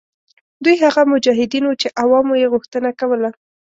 دوی هغه مجاهدین وه چې عوامو یې غوښتنه کوله.